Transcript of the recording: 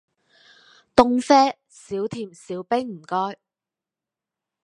凍啡少甜少冰唔該